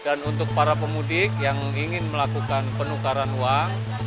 dan untuk para pemudik yang ingin melakukan penukaran uang